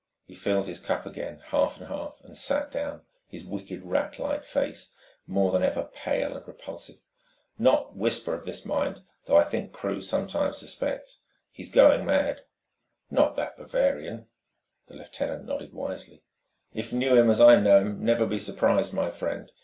He filled his cup again, half and half, and sat down, his wicked, rat like face more than ever pale and repulsive. "Not 'whisper of this, mind though I think 'crew sometimes suspects: he's going mad!" "Not that Bavarian?" The lieutenant nodded wisely. "If 'knew him as I know him, 'never be surprised, my friend.